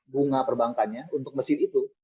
bunga perbankannya untuk mesin itu